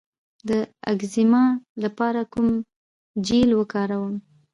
د اکزیما لپاره کوم جیل وکاروم؟